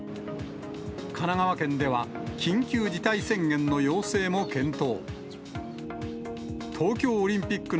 神奈川県では緊急事態宣言の要請も検討。